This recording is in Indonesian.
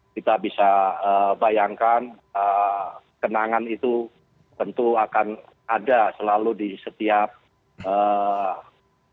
kita bisa bayangkan kenangan itu tentu akan ada selalu di setiap kami kami yang baik di pusat maupun di daerah